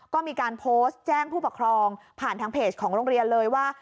ก็มีการโพสต์แจ้งผู้ปกครองผ่านทางเพจของโรงเรียนเลยว่า